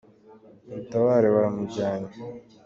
Mutabare baramujyanye!